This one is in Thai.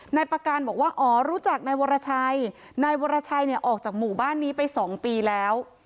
นายประการบอกว่าอ๋อรู้จักนายวรชัยนายวรชัยเนี่ยออกจากหมู่บ้านนี้ไป๒ปีแล้ว